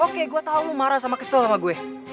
oke gue tau lo marah sama kesel sama gue